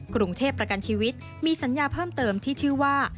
กรุงเทพประกันชีวิตมีสัญญาเพิ่มเติมที่ชื่อว่า